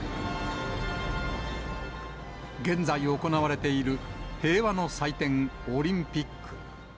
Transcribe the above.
現在行われている平和の祭典、オリンピック。